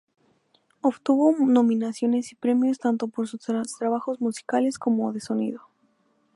Obtuvo nominaciones y premios tanto por sus trabajos musicales como de sonido.